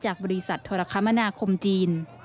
จากบริษัทธรคมนาคมจีน